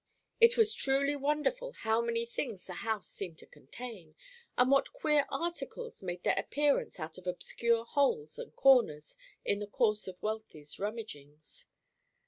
It was truly wonderful how many things the house seemed to contain, and what queer articles made their appearance out of obscure holes and corners, in the course of Wealthy's rummagings.